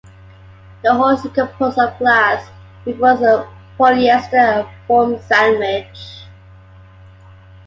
The hull is composed of glass reinforced polyester and foam sandwich.